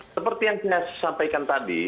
seperti yang kita sampaikan tadi